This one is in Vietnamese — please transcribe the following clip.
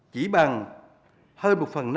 chỉ bằng hơn một phần nữa